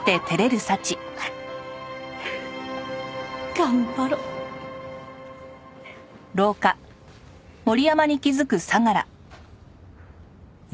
頑張ろっ！